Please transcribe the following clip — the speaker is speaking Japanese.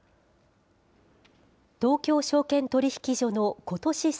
東京証券取引所のことし